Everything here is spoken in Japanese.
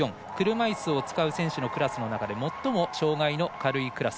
車いすを使う選手のクラスの中で最も障がいが軽いクラス。